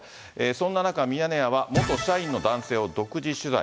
そんな中、ミヤネ屋は、元社員の男性を独自取材。